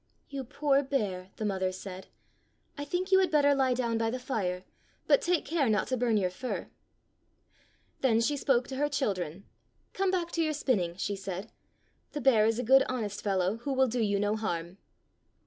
"You poor bear," the mother said. "I think you had better lie down by the fire; but take care not to burn your fur." Then she spoke to her children. "Come back to your spinning, " she said. "The bear is a good honest fellow who will do you no harm."